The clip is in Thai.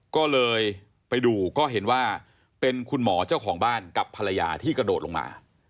ก็เลยไปดูก็เห็นว่าเป็นคุณหมอเจ้าของบ้านกับภรรยาที่กระโดดลงมา